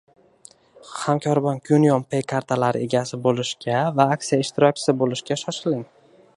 Hamkorbank UnionPay kartalari egasi bo'lishga va aksiya ishtirokchisi bo'lishga shoshiling!